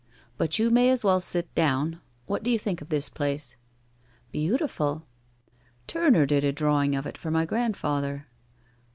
But you may as well sit down. What do you think of this place?' 1 Beautiful.' 1 Turner did a drawing of it for mv grandfather.'